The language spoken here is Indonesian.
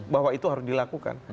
bahwa itu harus dilakukan